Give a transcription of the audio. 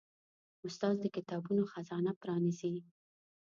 استاد د کتابونو خزانه پرانیزي.